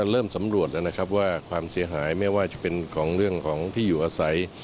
เริ่มสำรวจแล้วนะครับว่าความเสียหายไม่ว่าจะเป็นของเรื่องของที่อยู่อาศัย